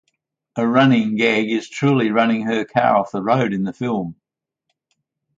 A running gag is Truly running her car off the road in the film.